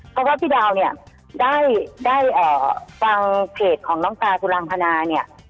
เพราะว่าพี่ดาวเนี่ยได้ฟังเพจของน้องตาสุรางพนาเนี่ย